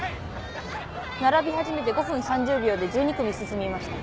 並び始めて５分３０秒で１２組進みました。